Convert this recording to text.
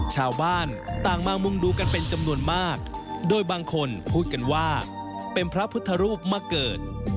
ชาวบ้านต่างมามุงดูกันเป็นจำนวนมากโดยบางคนพูดกันว่าเป็นพระพุทธรูปมาเกิด